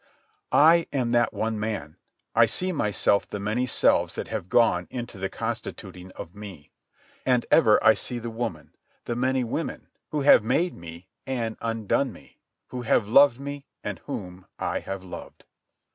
I am that one man. I see myself the many selves that have gone into the constituting of me. And ever I see the woman, the many women, who have made me and undone me, who have loved me and whom I have loved.